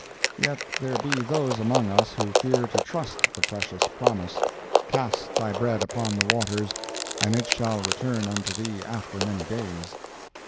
Yet there be those among us who fear to trust the precious promise, "Cast thy bread upon the waters and it shall return unto thee after many days."